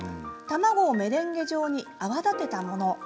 卵をメレンゲ状に泡立てたもの。